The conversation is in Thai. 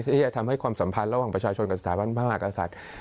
ที่จะทำให้ความสัมพันธ์ระหว่างประชาชนกับสถาบันพระมหากษัตริย์